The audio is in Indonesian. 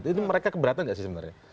jadi itu mereka keberatan nggak sih sebenarnya